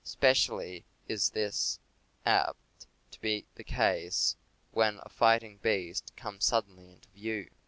Especially is this apt to be the case when a fighting beast comes suddenly in view.